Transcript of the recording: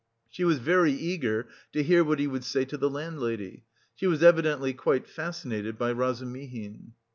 She was very eager to hear what he would say to the landlady. She was evidently quite fascinated by Razumihin.